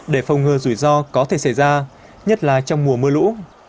để phong ngơ rủi ro có thể xảy ra nhất là trong mùa mưa lũ